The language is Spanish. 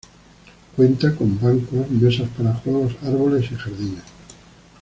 Cuenta con bancos, mesas para juegos, árboles y jardines.